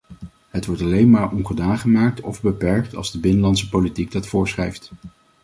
Het wordt alleen maar ongedaan gemaakt of beperkt als de binnenlandse politiek dat voorschrijft.